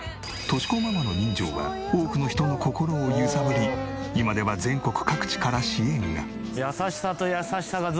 敏子ママの人情が多くの人の心を揺さぶり今では全国各地から支援が。